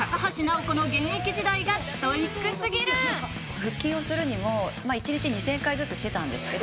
腹筋をするにも一日２０００回ずつしてたんですけど。